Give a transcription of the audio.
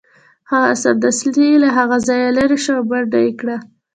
هغه سمدستي له هغه ځایه لیرې شو او منډه یې کړه